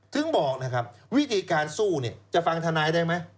ถึงบอกวิธีการสู้จะฟังทนายได้ไหม